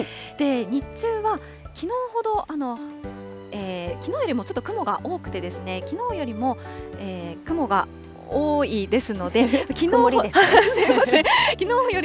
日中はきのうほど、きのうよりもちょっと雲が多くて、きのうよりも雲が多いですので、きのうほど。